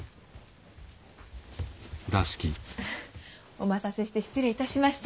お待たせして失礼いたしました。